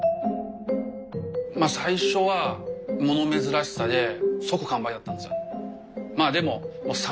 まあ最初は物珍しさで即完売だったんですよ。